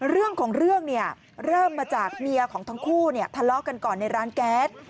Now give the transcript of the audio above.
เรื่องของเรื่องเนี่ยเริ่มมาจากเมียของทั้งคู่ทะเลาะกันก่อนในร้านแก๊ส